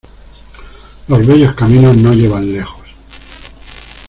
Los bellos caminos no llevan lejos.